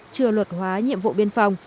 chưa luật hóa nhiệm vụ biên phòng